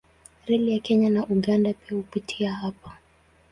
Reli ya Kenya na Uganda pia hupitia hapa.